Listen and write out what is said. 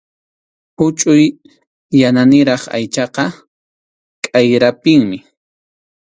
Huchʼuy yananiraq aychaqa k’ayrapinmi.